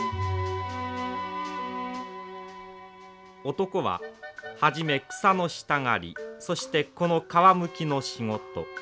男は初め草の下刈りそしてこの皮むきの仕事。